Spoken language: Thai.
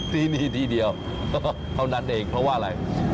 ที่นี่ที่เดียวเท่านั้นเองเพราะว่าอะไร